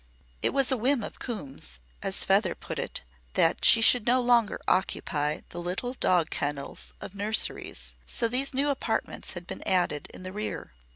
It was "a whim of Coombe's," as Feather put it, that she should no longer occupy the little dog kennels of nurseries, so these new apartments had been added in the rear.